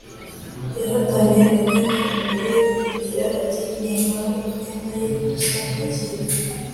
yahatanye agana imbere yibwira ati: “ninkora imyenda ye gusa ndakira”